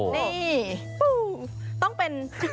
นี่ปุ้งต้องเป็น